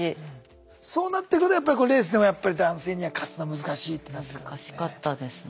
そうなってくるとレースでもやっぱり男性に勝つのは難しいってなってくるんですね。